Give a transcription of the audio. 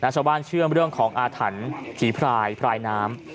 เชื่อมเรื่องของอาถรรพ์ผีพรายพรายน้ำ